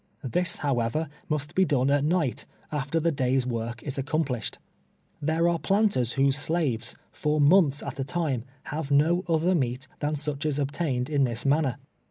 This, however, must be done at night, af ter the day's Avork is accomplished. Tliere are jdan ters whose slaves, for months at a time, have no other meat than such as is obtained in this manner.